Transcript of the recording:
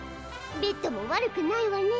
ベッドも悪くないわね。